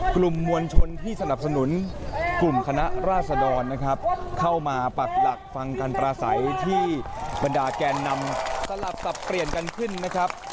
กลุ่มมวลชนที่สนับสนุนกลุ่มคณะราษดรนะครับเข้ามาปักหลักฟังการปราศัยที่บรรดาแกนนำสลับสับเปลี่ยนกันขึ้นนะครับ